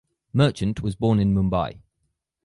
Merchant was born in Mumbai.